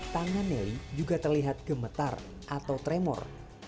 tangan nelly juga terlihat gemetar atau tremor